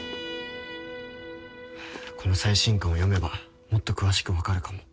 この最新刊を読めばもっと詳しく分かるかも。